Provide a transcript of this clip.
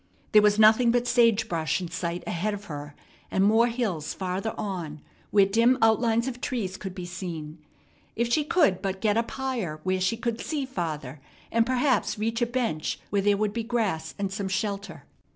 There was nothing but sage brush in sight ahead of her, and more hills farther on where dim outlines of trees could be seen. If she could but get up higher where she could see farther, and perhaps reach a bench where there would be grass and some shelter.